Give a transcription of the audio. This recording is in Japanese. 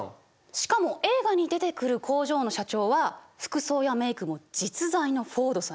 しかも映画に出てくる工場の社長は服装やメイクも実在のフォードさんにそっくり。